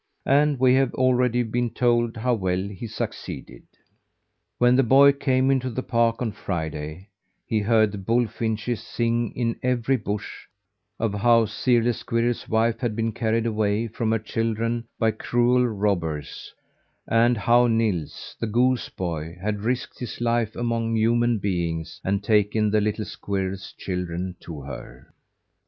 And we have already been told how well he succeeded. When the boy came into the park on Friday, he heard the bulfinches sing in every bush, of how Sirle Squirrel's wife had been carried away from her children by cruel robbers, and how Nils, the goose boy, had risked his life among human beings, and taken the little squirrel children to her.